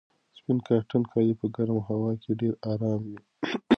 سپین کاټن کالي په ګرمه هوا کې ډېر ارام وي.